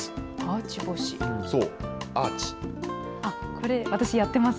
これ、私やってます。